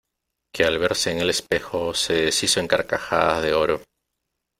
que al verse en el espejo se deshizo en carcajadas de oro .